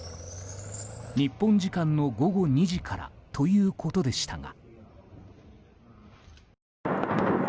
日本時間の午後２時からということでしたが。